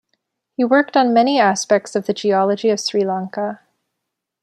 He worked on many aspects of the geology of Sri Lanka.